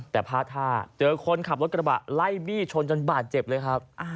แต่พาดท่าเจอคนขับรถกระบะไล่บี้ชนจนบาดเจ็บเลยครับ